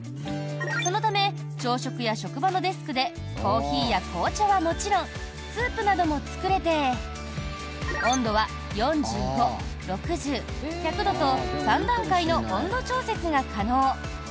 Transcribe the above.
そのため、朝食や職場のデスクでコーヒーや紅茶はもちろんスープなども作れて温度は４５、６０、１００度と３段階の温度調節が可能。